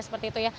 seperti itu ya